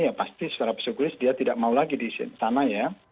ya pasti secara psikologis dia tidak mau lagi di istana ya